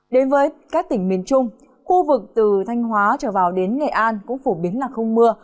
đến với các tỉnh miền trung khu vực từ thanh hóa trở vào đến nghệ an cũng phổ biến là không mưa